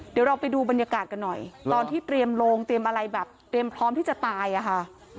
เดี๋ยวเราไปดูบรรยากาศกันหน่อยตอนที่เตรียมโลงเตรียมอะไรแบบเตรียมพร้อมที่จะตายอะค่ะ